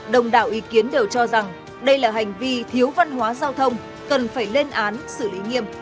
đồng đảo ý kiến đều cho rằng đây là hành vi thiếu văn hóa giao thông cần phải lên án xử lý nghiêm